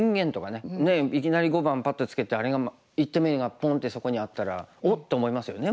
ねえいきなり碁盤パッとつけてあれが１手目がポンってそこにあったら「おっ！」って思いますよね